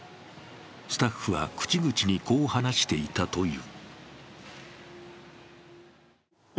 スタッフは口々にこう話していたという。